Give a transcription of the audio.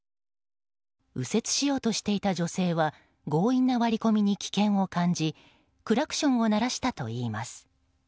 右折しようとしていた女性は強引な割り込みに危険を感じ、クラクションを鳴らしたといいます。